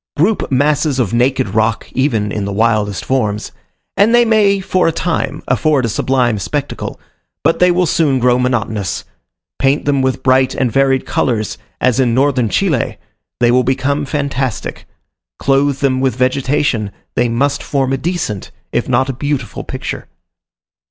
Group masses of naked rock, even in the wildest forms, and they may for a time afford a sublime spectacle, but they will soon grow monotonous. Paint them with bright and varied colours, as in Northern Chile, they will become fantastic; clothe them with vegetation, they must form a decent, if not a beautiful picture.